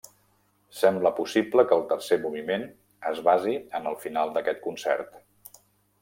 Sembla possible que el tercer moviment es basi en el final d'aquest concert.